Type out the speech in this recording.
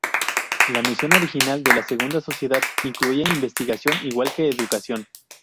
La misión original de la segunda sociedad incluía investigación igual que educación.